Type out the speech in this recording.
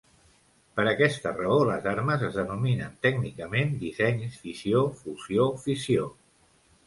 Per aquesta raó, les armes es denominen tècnicament dissenys fissió-fusió-fissió.